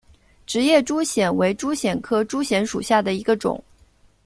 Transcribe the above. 直叶珠藓为珠藓科珠藓属下的一个种。